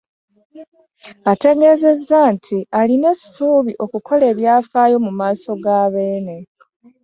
Ategeezezza nti alina essuubi okukola ebyafaayo mu maaso ga Beene